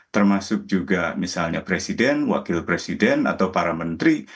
termasuk juga misalnya presiden wakil presiden atau para menteri